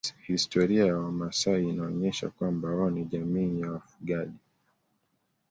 Historia ya wamasai inaonyesha kwamba wao ni jamii ya wafugaji